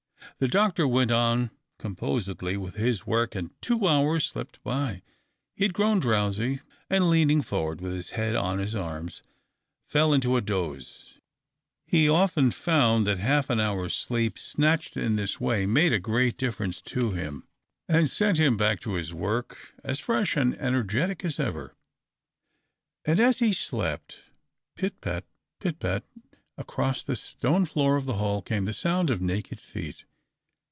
The doctor went on composedly with his work, and two hours slipped by. He had grown drowsy, and, leaning forward with his head on his arms, fell into a doze. He often found that half an hour's sleep snatched in this Avay made a great difference to him, and sent Y 322 THE OCTAVE OF CLAUDIUS. him back to liis work as fresh and energetic as ever. And as he slept, pit pat, pit pat, across the stone floor of the hall came the sound of naked feet.